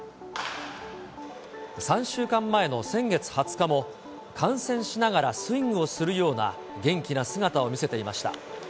３週間前の先月２０日も、観戦しながらスイングをするような元気な姿を見せていました。